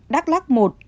đắk lắc một